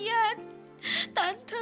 saat itu kamu tuh liat